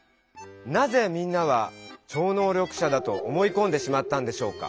なぜみんなは超能力者だと思いこんでしまったんでしょうか。